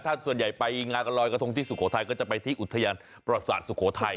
ถ้าส่วนใหญ่ไปงานลอยกระทงที่สุโขทัยก็จะไปที่อุทยานประสาทสุโขทัย